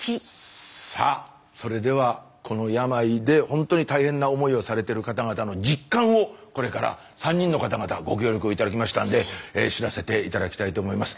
さあそれではこの病でほんとに大変な思いをされてる方々の実感をこれから３人の方々がご協力を頂きましたんで知らせて頂きたいと思います。